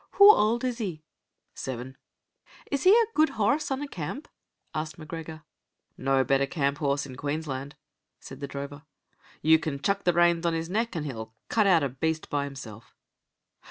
"Hoo auld is he?" "Seven." "Is he a guid horrse on a camp?" asked M'Gregor. "No better camp horse in Queensland," said the drover. "You can chuck the reins on his neck, an' he'll cut out a beast by himself."